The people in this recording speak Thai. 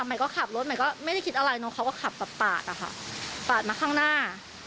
ทำใหม่ก็ขับรถไม่ได้คิดอะไรเนอะเขาก็ขับปากปากมาข้างหน้า